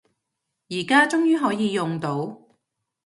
而家終於可以用到